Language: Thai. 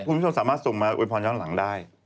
คุณผู้ชมสามารถส่งมาอวยพรย้อนหลังได้